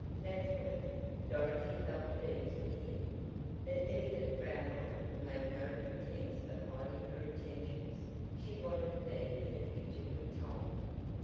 Naturally, Dorothy felt at ease with him, but Edith Brownlie made no pretense of hiding her intentions she wanted to be in a picture with Tom.